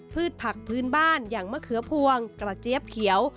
ผักพื้นบ้านอย่างมะเขือพวงกระเจี๊ยบเขียว